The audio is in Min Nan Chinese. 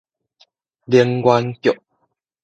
能源局